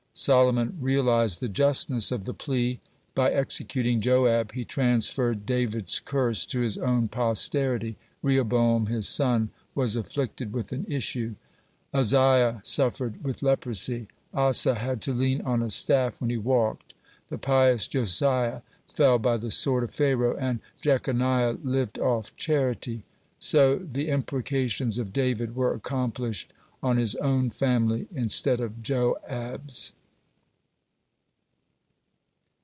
Solomon realized the justness of the plea. By executing Joab, he transferred David's curse to his own posterity: Rehoboam, his son, was afflicted with an issue; Uzziah suffered with leprosy; Asa had to lean on a staff when he walked; the pious Josiah fell by the sword of Pharaoh, and Jeconiah lived off charity. So the imprecations of David were accomplished on his own family instead of Joab's.